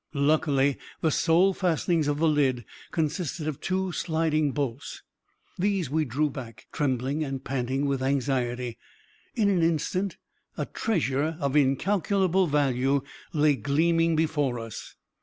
Luckily, the sole fastenings of the lid consisted of two sliding bolts. These we drew back trembling and panting with anxiety. In an instant, a treasure of incalculable value lay gleaming before us.